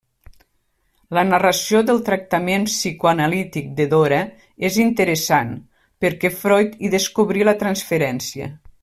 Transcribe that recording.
La narració del tractament psicoanalític de Dora és interessant, perquè Freud hi descobrí la transferència.